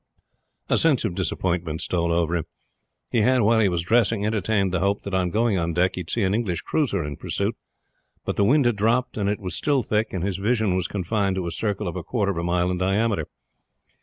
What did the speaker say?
A sense of disappointment stole over him. He had, while he was dressing, entertained the hope that on going on deck he should see an English cruiser in pursuit; but the wind had dropped and it was still thick, and his vision was confined to a circle a quarter of a mile in diameter.